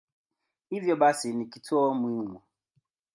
Hivyo basi ni kituo muhimu.